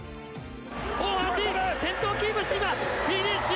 大橋先頭をキープして今フィニッシュ！